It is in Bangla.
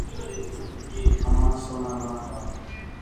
এখন এই গ্রুপের বার্ষিক লেনদেনের পরিমাণ সাড়ে তিন হাজার কোটি টাকার বেশি।